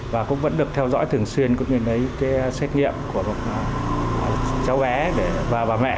và cũng vẫn được theo dõi thường xuyên cũng như lấy cái xét nghiệm của cháu bé và bà mẹ